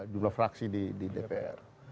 jumlah fraksi di dpr